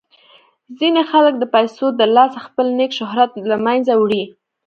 ځینې خلک د پیسو د لاسه خپل نیک شهرت له منځه وړي.